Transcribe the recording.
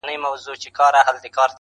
درد په حافظه کي پاتې کيږي